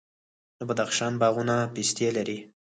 د بدخشان باغونه پستې لري.